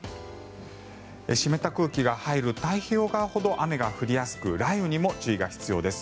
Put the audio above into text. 湿った空気が入る太平洋側ほど雨が降りやすく雷雨にも注意が必要です。